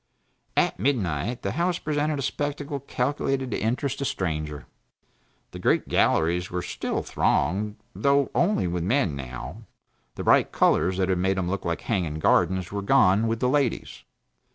At midnight the House presented a spectacle calculated to interest a stranger. The great galleries were still thronged though only with men, now; the bright colors that had made them look like hanging gardens were gone, with the ladies.